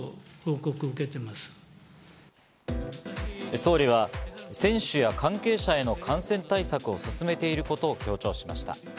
総理は選手や関係者への感染対策を進めていることを強調しました。